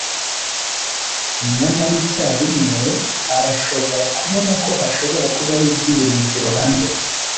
nyamara icyarimwe, arashobora kubona ko hashobora kubaho ibyiringiro hanze